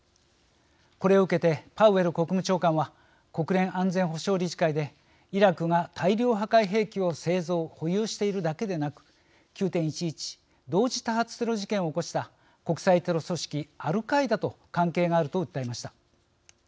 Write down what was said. これを受けてパウエル国務長官は国連安全保障理事会でイラクが大量破壊兵器を製造・保有しているだけでなく９．１１同時多発テロ事件を起こした国際テロ組織、アルカイダと関係があると訴えました。